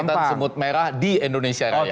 itu bangkitan semut merah di indonesia raya